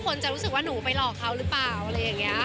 คนจะรู้สึกว่าหนูไปหลอกเขาหรือเปล่า